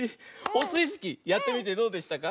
オスイスキーやってみてどうでしたか？